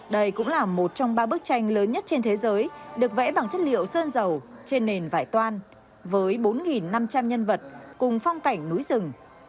đây cũng là một trong ba bức tranh lớn nhất trên thế giới được vẽ bằng chất liệu sơn dầu trên nền vải toan với bốn năm trăm linh nhân vật cùng phong cảnh núi rừng